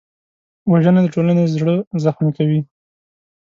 وژنه د ټولنې زړه زخمي کوي